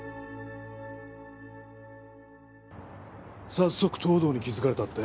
早速東堂に気づかれたって？